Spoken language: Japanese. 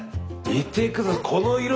見てください。